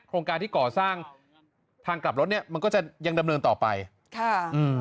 โครงการที่ก่อสร้างทางกลับรถเนี้ยมันก็จะยังดำเนินต่อไปค่ะอืม